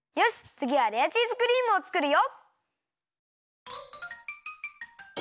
つぎはレアチーズクリームをつくるよ！